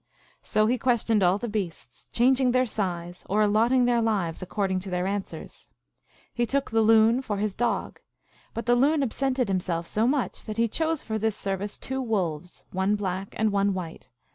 So he questioned all the beasts, changing their size or allotting their lives according to their answers. He took the Loon for his dog ; but the Loon ab sented himself so much that he chose for this service two wolves, one black and one white.